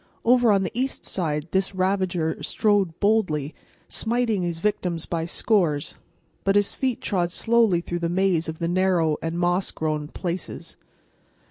Over on the east side this ravager strode boldly, smiting his victims by scores, but his feet trod slowly through the maze of the narrow and moss grown "places."